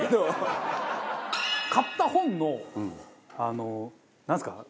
買った本のあのなんですか